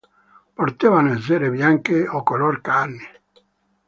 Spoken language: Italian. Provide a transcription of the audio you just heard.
Potevano essere bianche o color carne.